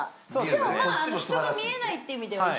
でもまあ人が見えないっていう意味では一緒だよね。